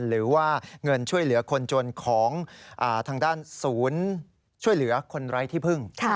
หรือว่าเงินช่วยเหลือคนจนของทางด้านศูนย์ช่วยเหลือคนไร้ที่พึ่ง